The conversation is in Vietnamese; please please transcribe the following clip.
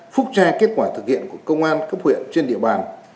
phúc tra kết quả thực hiện của công an cấp huyện trên địa bàn